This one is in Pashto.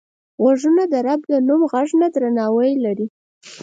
غوږونه د رب د نوم غږ ته درناوی لري